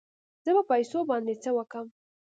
زه به په پيسو باندې څه وکم.